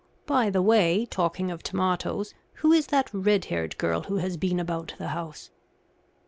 By the way, talking of tomatoes, who is that red haired girl who has been about the house?"